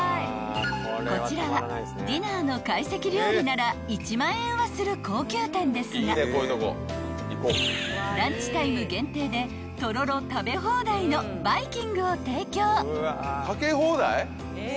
［こちらはディナーの懐石料理なら１万円はする高級店ですがランチタイム限定でとろろ食べ放題のバイキングを提供］